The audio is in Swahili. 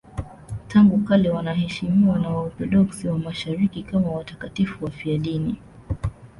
Tangu kale wanaheshimiwa na Waorthodoksi wa Mashariki kama watakatifu wafiadini.